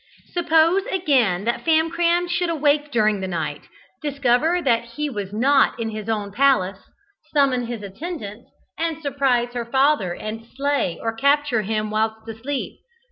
Suppose, again, that Famcram should awake during the night, discover that he was not in his own palace, summon his attendants, and surprise her father and slay or capture him whilst asleep.